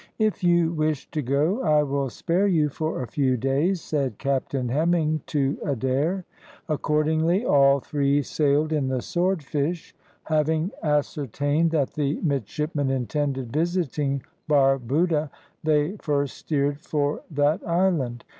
"If you wish to go I will spare you for a few days," said Captain Hemming to Adair. Accordingly all three sailed in the Swordfish. Having ascertained that the midshipmen intended visiting Barbuda, they first steered for that island.